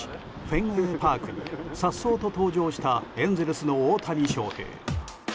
フェンウェイ・パークにさっそうと登場したエンゼルスの大谷翔平。